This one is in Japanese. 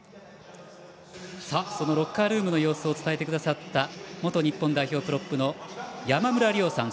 ロッカールームの様子を伝えてくださった元日本代表のプロップの山村亮さん